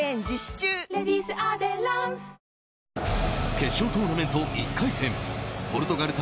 決勝トーナメント１回戦ポルトガル対